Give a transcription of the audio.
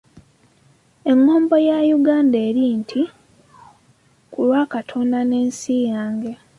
Engombo ya Uganda eri nti ku lwa Katonda n'ensi yange.